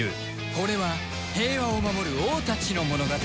これは平和を守る王たちの物語